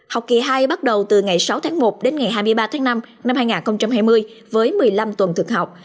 học kỳ hai bắt đầu từ ngày sáu tháng một đến ngày hai mươi ba tháng năm năm hai nghìn hai mươi với một mươi năm tuần thực học